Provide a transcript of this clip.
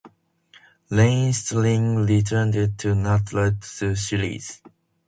Iain Stirling returned to narrate the series.